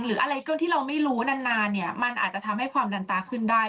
หรืออะไรก็ที่เราไม่รู้นานเนี่ยมันอาจจะทำให้ความดันตาขึ้นได้